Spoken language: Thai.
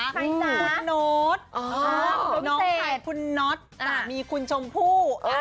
ใครจ๋าคุณโน๊ตน้องไข่คุณโน๊ตจ้ามีคุณชมพู่